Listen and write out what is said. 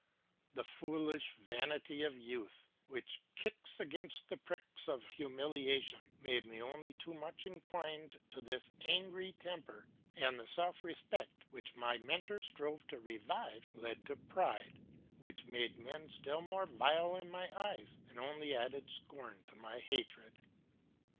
The foolish vanity of youth, which kicks against the pricks of humiliation, made me only too much inclined to this angry temper; and the self respect, which my mentor strove to revive, led to pride, which made men still more vile in my eyes, and only added scorn to my hatred.